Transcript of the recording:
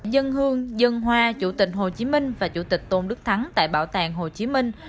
dân hương dân hoa chủ tịch hồ chí minh và chủ tịch tôn đức thắng tại bảo tàng hồ chí minh